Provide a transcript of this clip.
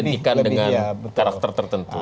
diidentikan dengan karakter tertentu